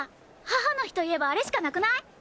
母の日といえばあれしかなくない？